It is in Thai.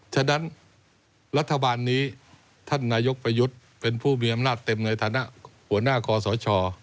ฉะนั้นรัฐบาลนี้ท่านนายกประยุทธ์เป็นผู้มีอำนาจเต็มในฐานะหัวหน้าคอสช